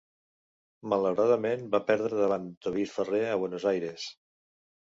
Malauradament va perdre davant David Ferrer a Buenos Aires.